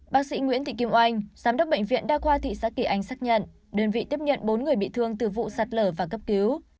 bác sĩ nguyễn thị kim oanh giám đốc bệnh viện đa khoa thị xã kỳ anh xác nhận đơn vị tiếp nhận bốn người bị thương từ vụ sạt lở và cấp cứu